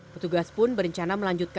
petugas pun berencana melanjutkan